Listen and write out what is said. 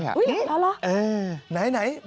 อ๋อเหรอ